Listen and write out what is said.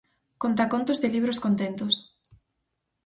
Contacontos de libros contentos.